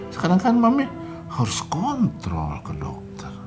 sekarang kan mami harus kontrol ke dokter